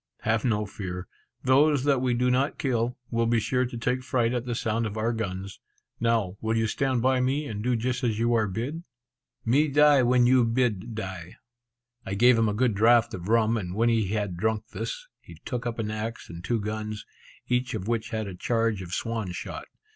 "Have no fear; those that we do not kill, will be sure to take fright at the sound of our guns. Now will you stand by me, and do just as you are bid?" "Me die when you bid die." I gave him a good draught of rum; and when he had drunk this, he took up an axe and two guns, each of which had a charge of swan shot.